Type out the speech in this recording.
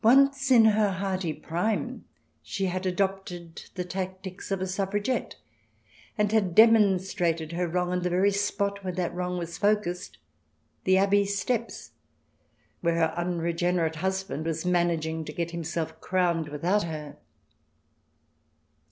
Once, in her hearty prime, she had adopted the tactics of a Suffra gette, and had demonstrated her wrong on the very spot where that wrong was focussed — the Abbey steps, where her unregenerate husband was managing to get himself crowned without her.